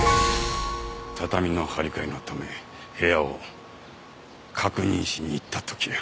畳の張り替えのため部屋を確認しに行った時や。